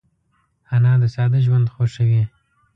انا د ساده ژوند خوښوي